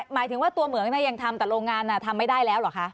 หมายถึงว่าตัวเหมืองยังทำแต่โรงงานทำไม่ได้แล้วเหรอคะ